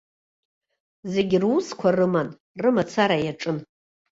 Зегьы русқәа рыман, рымацара иаҿын.